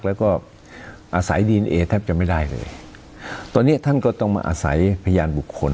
แล้วก็อาศัยดีเอนเอแทบจะไม่ได้เลยตอนนี้ท่านก็ต้องมาอาศัยพยานบุคคล